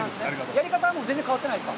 やり方は全然変わってないですか。